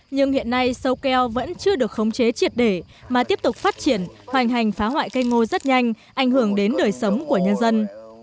nhưng hiện nay sâu keo vẫn chưa được khống chế triệt để mà tiếp tục phát triển hoành hành phá hoại cây ngô rất nhanh ảnh hưởng đến đời sống của nhân dân